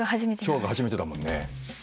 今日が初めてだもんね。